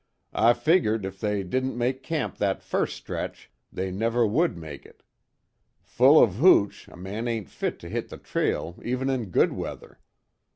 "I figgered if they didn't make camp that first stretch, they never would make it. Full of hooch, a man ain't fit to hit the trail even in good weather.